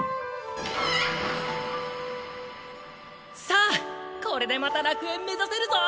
さあこれでまた楽園目指せるぞ！